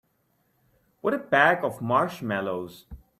With a bag of marshmallows.